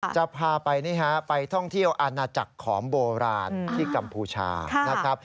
จะพาไปท่องเที่ยวอาณาจักรของโบราณที่กัมพูชา